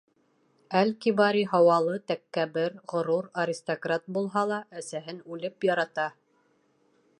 Әл-Кибари һауалы, тәкәббер, ғорур, аристократ булһа ла, әсәһен үлеп ярата.